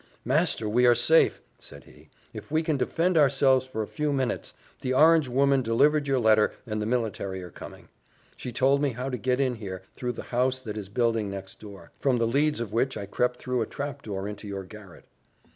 "Master, we are safe," said he, "if we can defend ourselves for a few minutes. The orange woman delivered your letter, and the military are coming. She told me how to get in here, through the house that is building next door, from the leads of which I crept through a trap door into your garret."